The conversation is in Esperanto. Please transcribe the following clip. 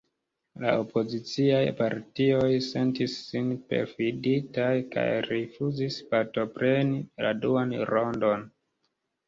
La opoziciaj partioj sentis sin perfiditaj kaj rifuzis partopreni la duan rondon.